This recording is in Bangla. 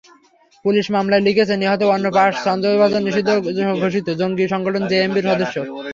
পুলিশ মামলায় লিখেছে, নিহত অন্য পাঁচ সন্দেহভাজন নিষিদ্ধ ঘোষিত জঙ্গি সংগঠন জেএমবির সদস্য।